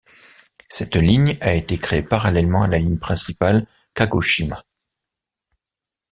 Cette ligne a été créée parallèlement à la ligne principale Kagoshima.